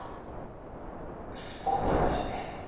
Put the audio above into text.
スポーツだしね。